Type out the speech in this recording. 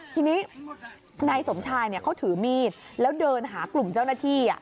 ทีนี้นายสมชายเขาถือมีดแล้วเดินหากลุ่มเจ้าหน้าที่